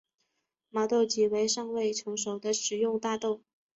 毛豆即为尚未成熟的食用大豆。